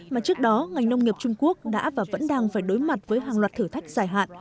mà trước đó ngành nông nghiệp trung quốc đã và vẫn đang phải đối mặt với hàng loạt thử thách dài hạn